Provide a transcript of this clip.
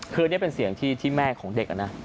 คือนี่เป็นเสียงที่แม่ของเด็กนะ